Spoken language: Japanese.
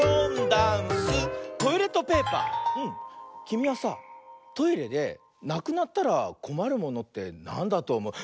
きみはさトイレでなくなったらこまるものってなんだとおもう？